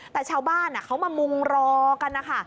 แต่ชาวบ้านเขามามุงรอกันนะคะ